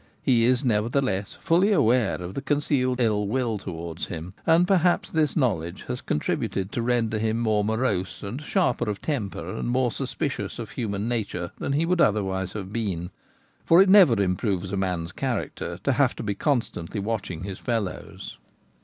He is, neverthe X' Wiring Fish. 1 8 1 less, fully aware of the concealed ill will towards him ; and perhaps this knowledge has contributed to render him more morose, and sharper of temper, and more suspicious of human nature than he would otherwise have been ; for it never improves a man's character to have to be constantly watching his fellows.